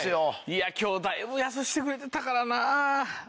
いや今日だいぶ安してくれてたからな。